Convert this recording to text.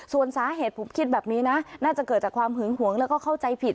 ส่วนสาเหตุผมคิดแบบนี้นะน่าจะเกิดจากความหึงหวงแล้วก็เข้าใจผิด